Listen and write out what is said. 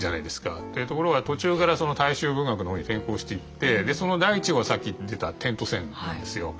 ところが途中から大衆文学の方に転向していってその第１号がさっき言ってた「点と線」なんですよ。